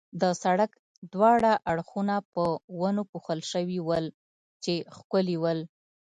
د سړک دواړه اړخونه په ونو پوښل شوي ول، چې ښکلي ول.